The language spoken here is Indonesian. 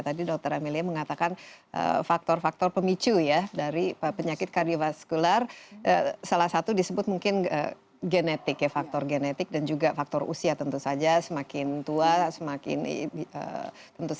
tadi dokter amelia mengatakan faktor faktor pemicu ya dari penyakit kardiovaskular salah satu disebut mungkin genetik faktor genetik dan juga faktor usia tentu saja semakin tua semakin tentu saja